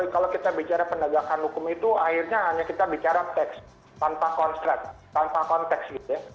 kalau kita bicara penegakan hukum itu akhirnya hanya kita bicara teks tanpa konstruct tanpa konteks gitu ya